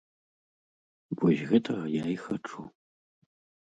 Вось гэтага я і хачу.